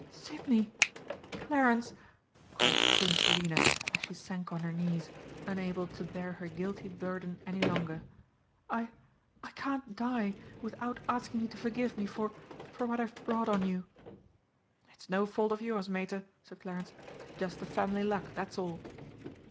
"Sidney! Clarence!" cried Queen Selina, as she sank on her knees, unable to bear her guilty burden any longer. "I I can't die without asking you to forgive me for for what I have brought on you!" "It's no fault of yours, Mater," said Clarence. "Just the family luck, that's all!"